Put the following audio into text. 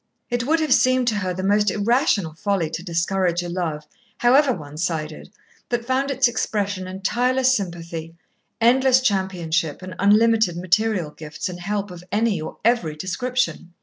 It would have seemed to her the most irrational folly to discourage a love, however one sided, that found its expression in tireless sympathy, endless championship, and unlimited material gifts and help of any or every description.